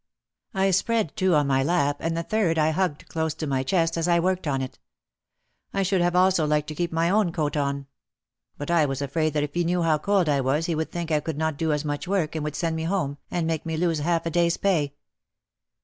I spread two on my lap and the third I hugged close to my chest as I worked on it. I should have also liked to keep my own coat on. But I was afraid that if he knew how cold I was he would think I could not do as much work and would send me home and make me lose half a day's pay.